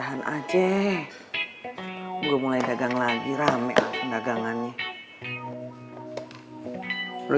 eh majum bagaimana itu